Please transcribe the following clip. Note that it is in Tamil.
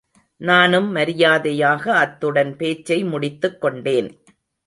நானும் மரியாதையாக அத்துடன் பேச்சை முடித்துக் கொண்டேன்.